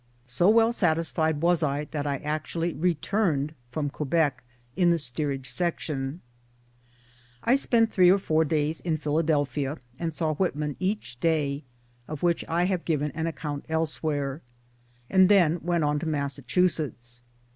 So well satisfied was I that I actually returned (from Quebec ) in the steerage section ! I spent three or four days in Philadelphia and saw Whitman each day (of which I have given an account elsewhere I ); and then went on to Massachusetts.